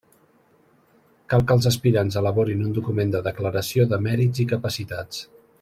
Cal que els aspirants elaborin un document de declaració de mèrits i capacitats.